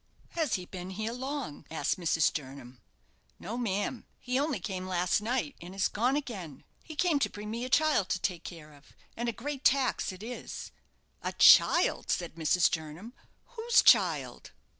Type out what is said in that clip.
"Has he been here long?" asked Mrs. Jernam. "No, ma'am; he only came last night, and is gone again. He came to bring me a child to take care of, and a great tax it is." "A child!" said Mrs. Jernam, "whose child?"